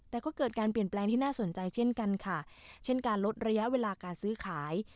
แต่ก็เกิดการเปลี่ยนแปลงที่น่าสนใจเช่นกันค่ะเช่นการลดระยะเวลาการซื้อขาย